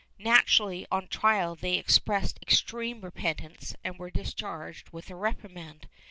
Naturally on trial they expressed extreme repentance and were discharged with a reprimand.